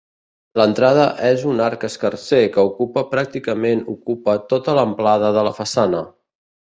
L'entrada és un arc escarser que ocupa pràcticament ocupa tota l'amplada de la façana.